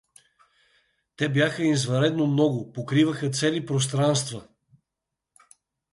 Те бяха извънредно много, покриваха цели пространства.